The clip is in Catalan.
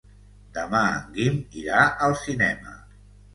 Demà en Guim irà al cinema.